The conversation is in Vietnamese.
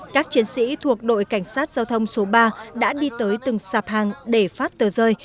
các chiến sĩ thuộc đội cảnh sát giao thông số ba đã đi tới từng sạp hàng để phát tờ rơi